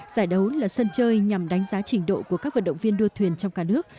giải đấu là sân chơi nhằm đánh giá trình độ của các vận động viên đua thuyền trong cả nước